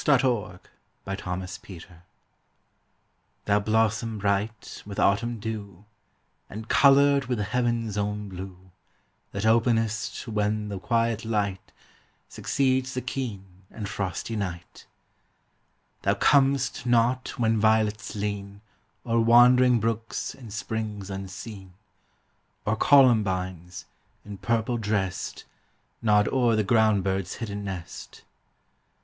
THOMAS MOORE. TO THE FRINGED GENTIAN. Thou blossom, bright with autumn dew, And colored with the heaven's own blue, That openest when the quiet light Succeeds the keen and frosty night; Thou comest not when violets lean O'er wandering brooks and springs unseen, Or columbines, in purple dressed, Nod o'er the ground bird's hidden nest.